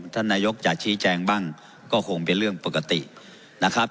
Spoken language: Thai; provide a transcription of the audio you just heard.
ท่านนายกจะชี้แจงบ้างก็คงเป็นเรื่องปกตินะครับ